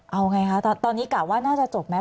เอาไงคะตอนนี้กะว่าน่าจะจบไหม